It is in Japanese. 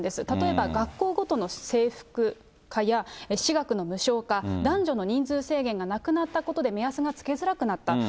例えば学校ごとの制服化や、私学の無償化、男女の人数制限がなくなったことで目安がつけづらくなった。